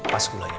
pas pula ya